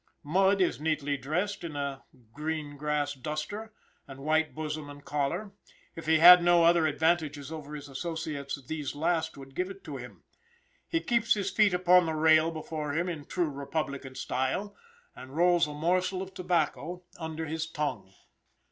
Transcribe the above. Mudd is neatly dressed in a green grass duster, and white bosom and collar; if he had no other advantages over his associates these last would give it to him. He keeps his feet upon the rail before him in true republican style, and rolls a morsel of tobacco under his tongue.